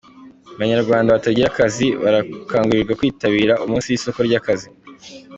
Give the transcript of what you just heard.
Abanyarwanda batagira akazi barakangurirwa kwitabira umunsi w’isoko ry’akazi